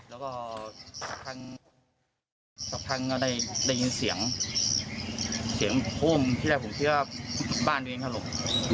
แล้วก็ทางสักพักก็ได้ยินเสียงเสียงโค้มที่แรกผมคิดว่าบ้านตัวเองถล่ม